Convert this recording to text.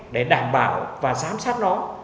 để đảm bảo và giám sát nó